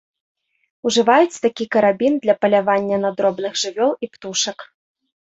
Ужываюць такі карабін для палявання на дробных жывёл і птушак.